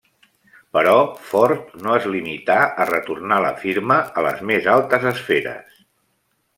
Però Ford no es limità a retornar la firma a les més altes esferes.